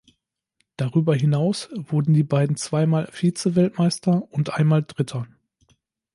Darüber hinaus wurden die beiden zweimal Vizeweltmeister und einmal Dritter.